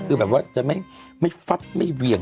คือแบบว่าจะไม่ฟัดไม่เหวี่ยง